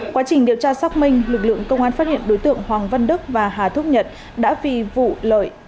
quá trình điều tra xác minh lực lượng công an phát hiện đối tượng hoàng văn đức và hà thúc nhật đã vì vụ lợi